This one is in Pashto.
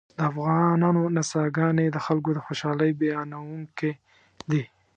د افغانانو نڅاګانې د خلکو د خوشحالۍ بیانوونکې دي